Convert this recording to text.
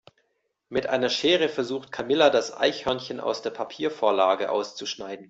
Mit einer Schere versucht Camilla das Eichhörnchen aus der Papiervorlage auszuschneiden.